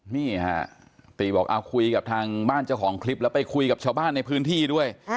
นี่ฮะตีบอกคุยกับทางบ้านเจ้าของคลิปแล้วไปคุยกับชาวบ้านในพื้นที่ด้วย